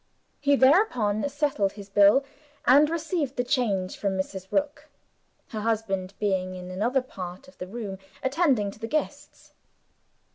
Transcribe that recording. He thereupon settled his bill, and received the change from Mrs. Rook her husband being in another part of the room, attending to the guests.